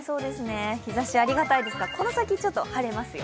日ざしありがたいですが、この先晴れますよ。